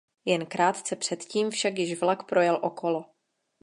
Jen krátce předtím však již vlak projel okolo.